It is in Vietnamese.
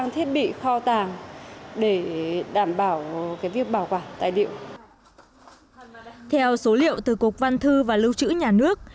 theo số liệu từ cục văn thư và lưu trữ nhà nước